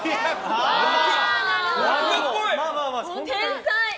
天才。